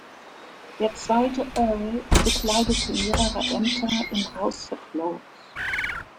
Der zweite Earl bekleidete mehrere Ämter im House of Lords.